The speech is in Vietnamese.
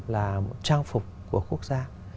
là một trang phục của quốc gia